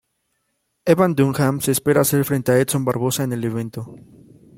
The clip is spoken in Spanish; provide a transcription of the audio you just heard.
Evan Dunham se espera hacer frente a Edson Barboza en el evento.